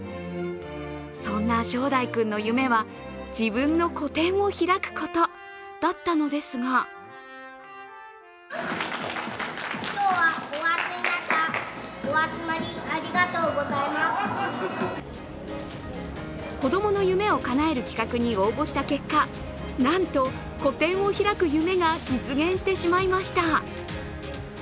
そんな正乃君の夢は、自分の個展を開くことだったのですが子供の夢をかなえる企画に応募した結果、なんと個展を開く夢が実現してしまいました。